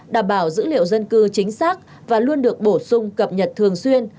đảm bảo dữ liệu dân cư chính xác và luôn được bổ sung cập nhật thường xuyên